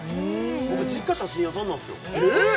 僕実家写真屋さんなんですよえっ？